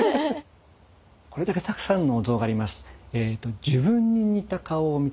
これだけたくさんのお像があります。